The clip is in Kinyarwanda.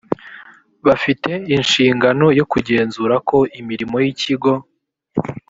bafite inshingano yo kugenzura ko imirimo y ikigo